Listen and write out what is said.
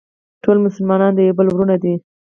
ټول مسلمانان د یو بل وروڼه دي.